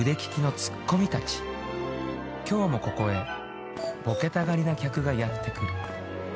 ［今日もここへボケたがりな客がやって来る］